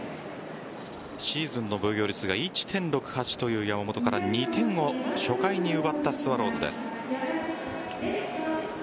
シーズンの防御率が１．６８という山本から２点を初回に奪ったスワローズです。